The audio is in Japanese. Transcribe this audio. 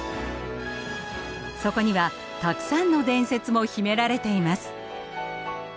そこにはたくさんの伝説も秘められています。